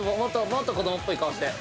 もっと子供っぽい顔して。